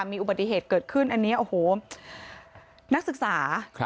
มีอุบัติเหตุเกิดขึ้นอันนี้โอ้โหนักศึกษา